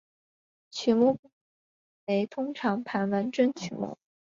曲目部分皆为通常盘完整曲目。